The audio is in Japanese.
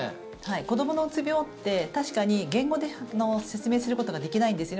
子どものうつ病って確かに言語で説明することができないんですね。